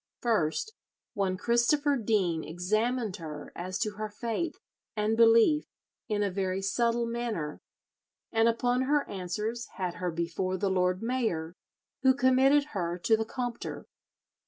First, one Christopher Dene examined her as to her faith and belief in a very subtle manner, and upon her answers had her before the lord mayor, who committed her to the Compter.